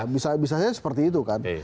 bisa bisanya seperti itu kan